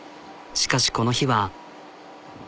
しかしこの日は。